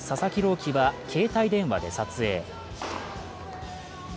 希は携帯電話で撮影。